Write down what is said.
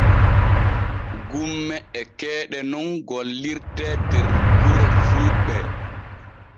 Gumme e keeɗe nun gollirte der gure fulɓe.